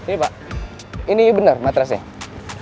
ini pak ini benar matrasnya